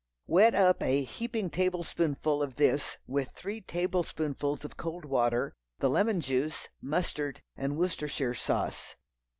Wet up a heaping tablespoonful of this with three tablespoonfuls of cold water, the lemon juice, mustard and Worcestershire sauce.